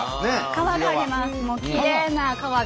川があります。